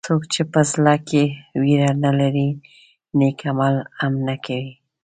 څوک چې په زړه کې وېره نه لري نیک عمل هم نه کوي.